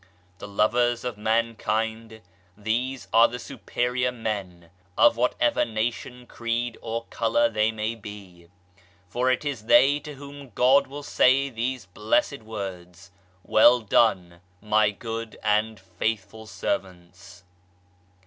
The lovers of mankind, these are the superior men, of whatever nation, creed, or colour they may be. For it is they to whom God will say these Blessed Words, " Well done, My good and faithful servants."